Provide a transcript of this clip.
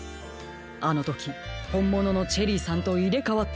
あのときほんもののチェリーさんといれかわったのでしょう。